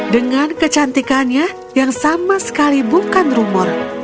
dengan kecantikannya yang sama sekali bukan rumor